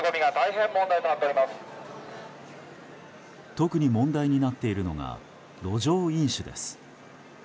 特に問題になっているのが路上飲酒です。